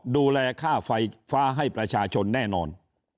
ดูแลค่าไฟฟ้าให้ประชาชนแน่นอน